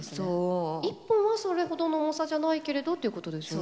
１本はそれほどの重さじゃないけれどっていうことですよね。